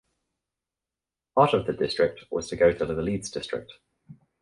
Part of the district was to go to the Leeds district.